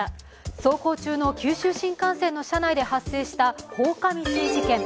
走行中の九州新幹線の車内で発生した放火未遂事件。